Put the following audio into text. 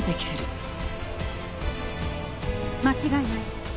間違いない。